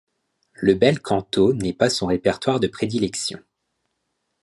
Le bel canto n'est pas son répertoire de prédilection.